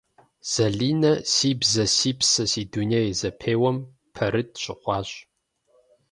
Залинэ «Си бзэ - си псэ, си дуней» зэпеуэм пэрыт щыхъуащ.